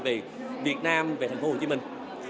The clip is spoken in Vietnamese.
về việt nam về thành phố hồ chí minh